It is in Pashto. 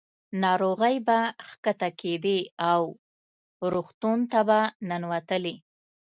ناروغۍ به ښکته کېدې او روغتون ته به ننوتلې.